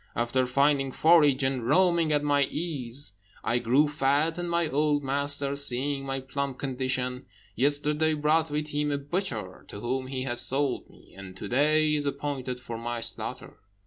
After finding forage, and roaming at my ease, I grew fat, and my old master, seeing my plump condition, yesterday brought with him a butcher, to whom he has sold me, and to day is appointed for my slaughter."